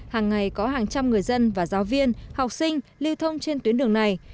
hàng ngày có hàng trăm người dân và giáo viên học sinh lưu thông trên tuyến đường này